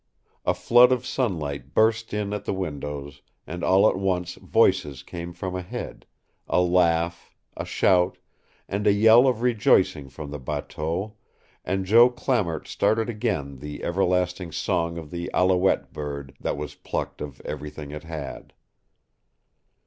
A flood of sunlight burst in at the windows, and all at once voices came from ahead, a laugh, a shout, and a yell of rejoicing from the bateau, and Joe Clamart started again the everlasting song of the allouette bird that was plucked of everything it had.